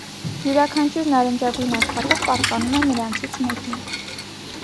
Յուրաքանչյուր նարնջագույն աշխատող պատկանում է նրանցից մեկին։